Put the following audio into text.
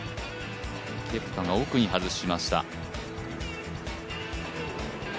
ケプカが奥に外しました。